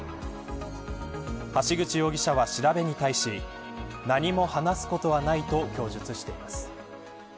橋口容疑者は調べに対し何も話すことはないと供述しています。